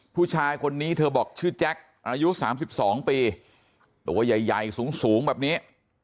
ผู้ชายคนนี้เธอบอกชื่อแจ็คอายุ๓๒ปีตัวใหญ่สูงแบบนี้